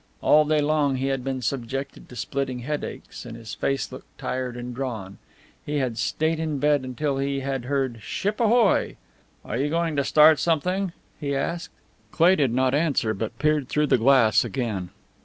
All day long he had been subjected to splitting headaches, and his face looked tired and drawn. He had stayed in bed until he had heard "Ship ahoy!" "Are you going to start something?" he asked. Cleigh did not answer, but peered through the glass again.